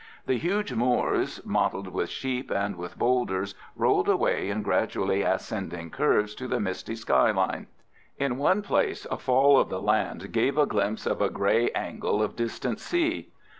The huge moors, mottled with sheep and with boulders, rolled away in gradually ascending curves to the misty sky line. In one place a fall of the land gave a glimpse of a grey angle of distant sea.